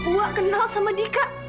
wak kenal sama dika